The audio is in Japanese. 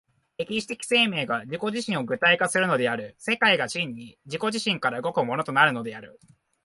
歴史的生命が自己自身を具体化するのである、世界が真に自己自身から動くものとなるのである。